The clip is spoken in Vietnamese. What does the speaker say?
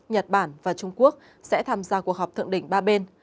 nhật bản và trung quốc sẽ tham gia cuộc họp thượng đỉnh ba bên